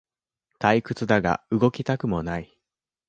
退屈だが動きたくもない